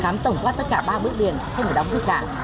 khám tổng quát tất cả ba bước điền thế này đóng cái cả